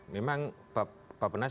memang pak penas